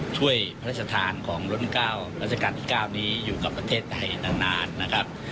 ช่วยพระราชทานของล้น๙รัชกาลที่๙นี้อยู่กับประเทศไทยนานนะครับ